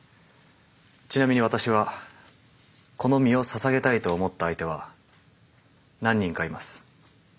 ちなみに私はこの身をささげたいと思った相手は何人かいます。